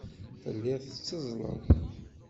Telliḍ tetteẓẓleḍ.